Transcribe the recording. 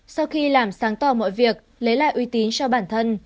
sau khi làm sáng tỏ mọi việc lấy lại uy tín cho bản thân